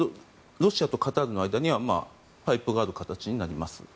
ロシアとカタールの間にはパイプがある形になります。